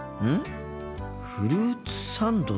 フルーツサンドだ。